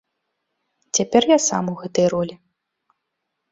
Цяпер я сам у гэтай ролі.